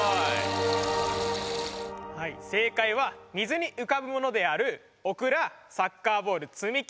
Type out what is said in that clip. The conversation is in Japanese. はい正解は水に浮かぶものであるオクラサッカーボール積み木